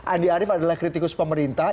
andi arief adalah kritikus pemerintah